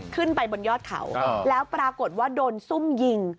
ขึ้นไปบนยอดเขาแล้วปรากฏว่าโดนซุ่มยิง